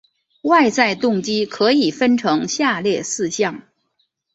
外在动机可以分成下列四项